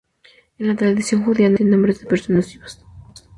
En la tradición judía no se repiten nombres de personas vivas.